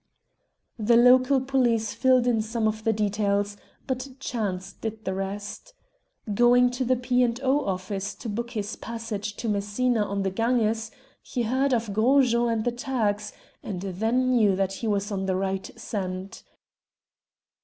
The local police filled in some of the details, but chance did the rest. Going to the P. and O. office to book his passage to Messina on the Ganges, he heard of Gros Jean and the Turks, and then knew that he was on the right scent.